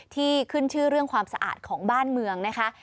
ที่ขึ้นชื่อเรื่องความสะอาดของบ้านเมืองนะคะ